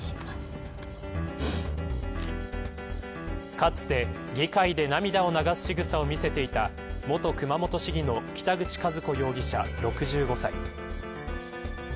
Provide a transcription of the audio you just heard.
かつて、議会で涙を流すしぐさを見せていた元熊本市議の北口和皇容疑者６５歳。